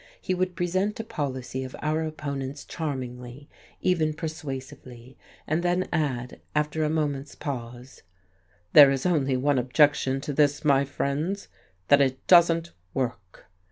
He would present a policy of our opponents charmingly, even persuasively, and then add, after a moment's pause: "There is only one objection to this, my friends that it doesn't work."